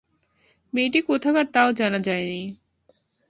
মেয়েটি কোথাকার তাও জানা যায় নি।